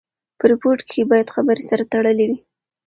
په ریپورټ کښي باید خبري سره تړلې وي.